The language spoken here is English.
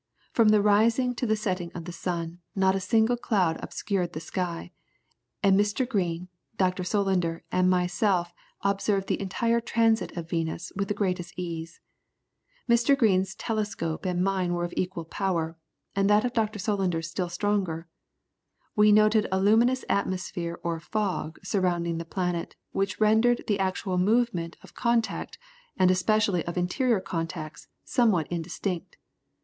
From the rising to the setting of the sun, not a single cloud obscured the sky, and Mr. Green, Dr. Solander, and myself, observed the entire transit of Venus with the greatest ease. Mr. Green's telescope and mine were of equal power, and that of Dr. Solander still stronger. We noted a luminous atmosphere or fog surrounding the planet, which rendered the actual moment of contact and especially of interior contacts somewhat indistinct.